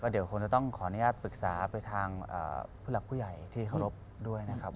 เดี๋ยวคงจะต้องขออนุญาตปรึกษาไปทางผู้หลักผู้ใหญ่ที่เคารพด้วยนะครับ